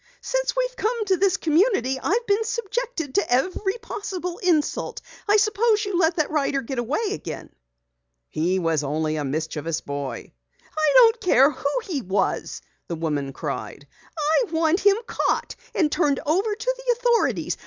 "Since we've come to this community, I've been subjected to every possible insult! I suppose you let that rider get away again?" "He was only a mischievous boy." "I don't care who he was!" the woman cried. "I want him caught and turned over to the authorities.